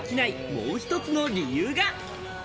もう１つの理由が。